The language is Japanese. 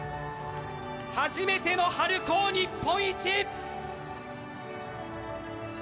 初めての春高日本一！